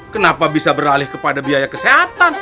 kenapa bisa beralih kepada biaya kesehatan